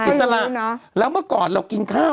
อิสระแล้วเมื่อก่อนเรากินข้าว